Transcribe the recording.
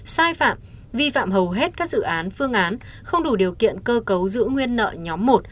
sai phạm vi phạm hầu hết các dự án phương án không đủ điều kiện cơ cấu giữ nguyên nợ nhóm một